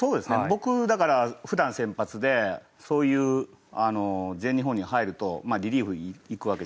僕だから普段先発でそういう全日本に入るとリリーフにいくわけじゃないですか。